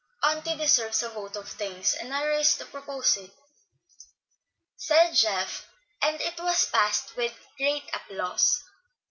"Auntie deserves a vote of thanks, and I rise to propose it," said Geoff; and it was passed with great applause.